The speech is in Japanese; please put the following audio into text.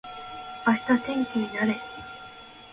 明日天気になれ